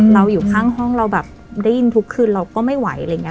อยู่ข้างห้องเราแบบได้ยินทุกคืนเราก็ไม่ไหวอะไรอย่างนี้